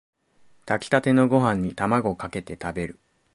炊きたてのご飯にタマゴかけて食べる